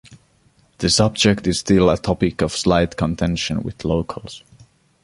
The subject is still a topic of slight contention with locals.